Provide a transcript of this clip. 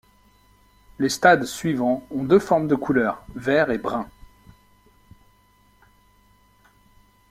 Les stades suivants ont deux formes de couleurs, vert et brun.